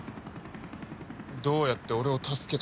どうやって俺を助けた？